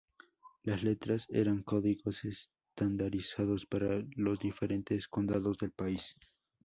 Las letras eran códigos estandarizados para los diferentes condados del país.